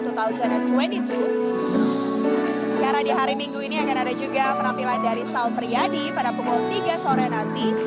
karena di hari minggu ini akan ada juga penampilan dari sal priyadi pada pukul tiga sore nanti